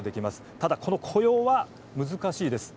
ただ、この雇用は難しいです。